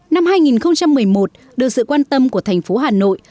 năm hai nghìn một mươi một được sự quan tâm của thành phố hà nội